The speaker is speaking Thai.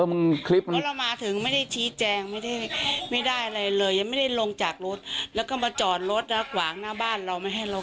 เพราะเรามาถึงไม่ได้ชี้แจงไม่ได้ไม่ได้อะไรเลยยังไม่ได้ลงจากรถแล้วก็มาจอดรถแล้วกวางหน้าบ้านเราไม่ให้เรา